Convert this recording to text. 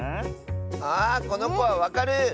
あこのこはわかる！